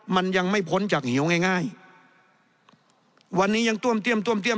มันยังไม่พ้นจากเหี่ยวง่ายง่ายวันนี้ยังต้วมเตี้ยมต้วมเตี้ยม